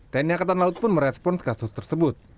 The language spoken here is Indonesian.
tni angkatan laut pun merespons kasus tersebut